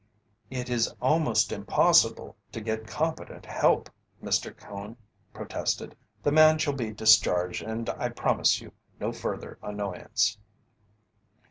"It is almost impossible to get competent help," Mr. Cone protested. "The man shall be discharged and I promise you no further annoyance."